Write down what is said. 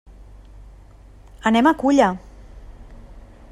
Anem a Culla.